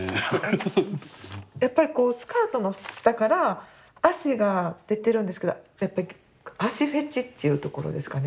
やっぱりスカートの下から足が出てるんですけど足フェチっていうところですかね。